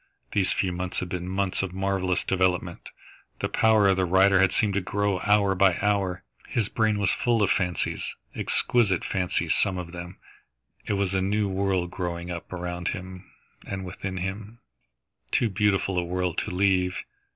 These few months had been months of marvellous development. The power of the writer had seemed to grow, hour by hour. His brain was full of fancies, exquisite fancies some of them. It was a new world growing up around him and within him, too beautiful a world to leave.